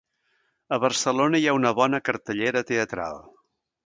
A Barcelona hi ha una bona cartellera teatral.